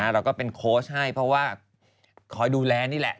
เราก็เป็นโค้ชให้เพราะว่าคอยดูแลนี่แหละ